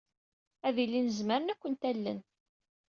Ad ilin zemren ad kent-allen.